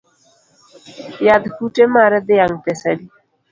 Yadh kute mar dhiang’ pesa adi?